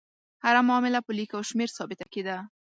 هره معامله په لیک او شمېر ثابته کېده.